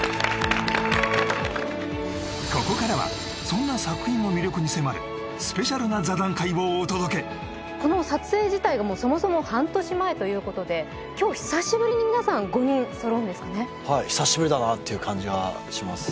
ここからはそんな作品の魅力に迫るスペシャルな座談会をお届けこの撮影自体がもうそもそも半年前ということで今日久しぶりに皆さん５人揃うんですかねはい久しぶりだなっていう感じはします